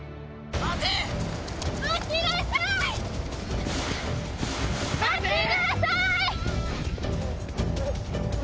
待ちなさい！